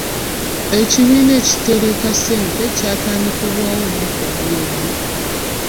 Ekibiina ekitereka ssente kyatandikibwawo omwaka oguwedde .